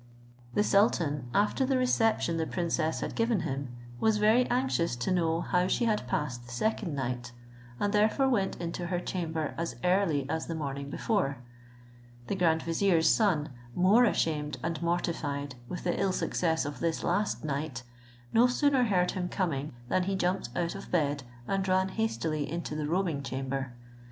The sultan, after the reception the princess had given him, was very anxious to know how she had passed the second night, and therefore went into her chamber as early as the morning before. The grand vizier's son, more ashamed and mortified with the ill success of this last night, no sooner heard him coming, than he jumped out of bed, and ran hastily into the robing chamber.